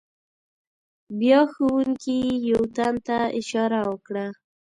بیا ښوونکي یو تن ته اشاره وکړه.